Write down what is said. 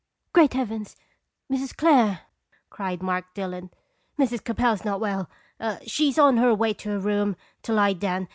" Great heavens! Mrs. Clare!" cried Mark Dillon. ''Mrs. Capel is not well. She is on her way to her room to lie down.